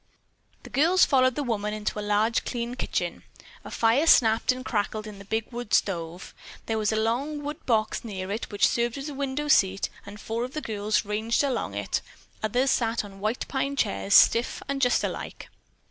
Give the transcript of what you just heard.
The girls followed the woman into a large, clean kitchen. A fire snapped and crackled in the big wood stove. There was a long wood box near it which served as a window seat, and four of the girls ranged along on it, the others sat on white pine chairs, stiff and just alike.